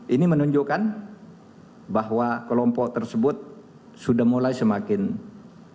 ini menunjukkan bahwa kelompok tersebut sudah mulai semakin meningkat